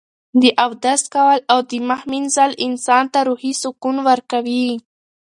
د اودس کول او د مخ مینځل انسان ته روحي سکون ورکوي.